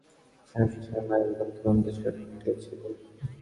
তুই কি মুখুজ্যেমশায়ের হৃদয়ের পিছনে পিছনে মাইল গুনতে গুনতে ছুটেছিলি নাকি?